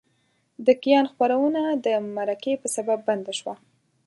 د کیان خپرونه د مرکې په سبب بنده شوه.